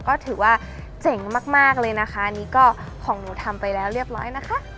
ก็ถือว่าเจ๋งมากเลยนะคะอันนี้ก็ของหนูทำไปแล้วเรียบร้อยนะคะ